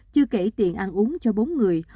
chưa kể tiền ăn uống cho bốn người